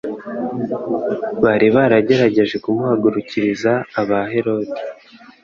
Bari baragerageje kumuhagurukiriza aba Herode,